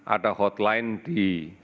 ada hotline di satu ratus sembilan belas